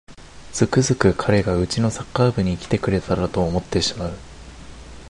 つくづく彼がうちのサッカー部に来てくれたらと思ってしまう